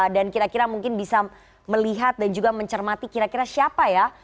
dan kira kira mungkin bisa melihat dan juga mencermati kira kira siapa ya